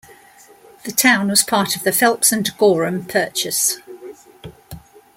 The town was part of the Phelps and Gorham Purchase.